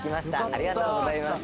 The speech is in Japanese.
ありがとうございます。